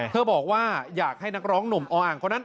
เธอบอกว่าอยากให้นักร้องหนุ่มออ่าง